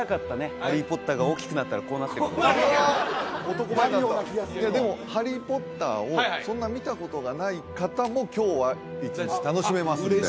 ハリー・ポッターが大きくなったらこうなってるというなるような気がするでも「ハリー・ポッター」をそんな見たことがない方も今日は楽しめますんで嬉しい